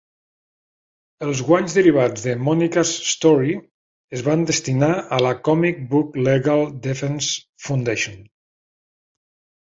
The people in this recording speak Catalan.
Els guanys derivats de "Monica's Story" es van destinar a la Comic Book Legal Defense Fund.